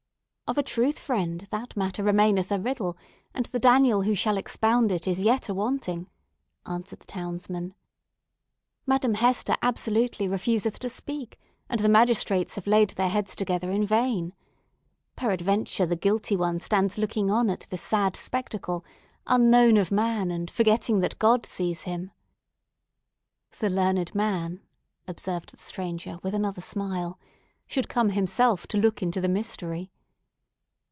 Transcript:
"Of a truth, friend, that matter remaineth a riddle; and the Daniel who shall expound it is yet a wanting," answered the townsman. "Madame Hester absolutely refuseth to speak, and the magistrates have laid their heads together in vain. Peradventure the guilty one stands looking on at this sad spectacle, unknown of man, and forgetting that God sees him." "The learned man," observed the stranger with another smile, "should come himself to look into the mystery."